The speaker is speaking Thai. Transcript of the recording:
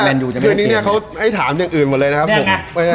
ชังให้ถามเป็นอย่างอื่นหมดเลยนะครับผม